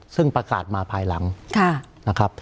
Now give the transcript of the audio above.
ซึ่งประกาศมาภายหลังนะครับ